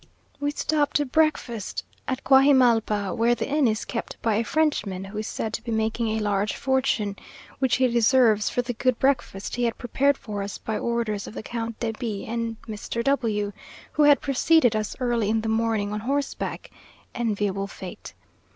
We stopped to breakfast at Quajimalpa, where the inn is kept by a Frenchman, who is said to be making a large fortune, which he deserves for the good breakfast he had prepared for us by orders of the Count de B and Mr. W , who had preceded us early in the morning on horseback; (enviable fate!).